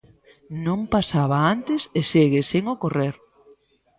Non pasaba antes e segue sen ocorrer.